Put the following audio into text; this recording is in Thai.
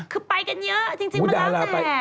คือไปกันเยอะจริงมันแล้วแต่